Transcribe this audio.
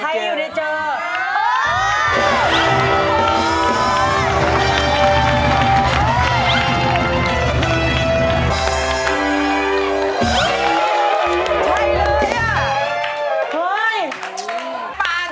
ไทยอยู่ในเจออ๋ออืม